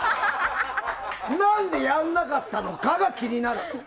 何でやらなかったのかが気になる。